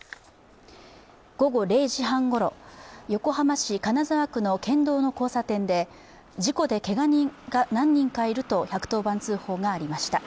午後０時半ごろ、横浜市金沢区の県道の交差点で事故でけが人が何人かいると１１０番通報がありました。